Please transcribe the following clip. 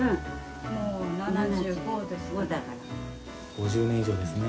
５０年以上ですね。